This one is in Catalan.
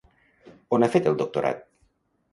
On ha fet el doctorat?